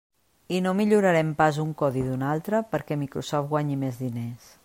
I no millorarem pas un codi d'un altre perquè Microsoft guanyi més diners.